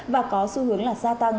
và có xu hướng là gia tăng